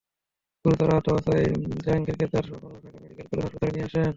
গুরুতর আহত অবস্থায় জাহাঙ্গীরকে তাঁর সহকর্মীরা ঢাকা মেডিকেল কলেজ হাসপাতালে নিয়ে আসেন।